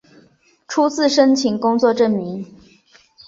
初次申请工作证明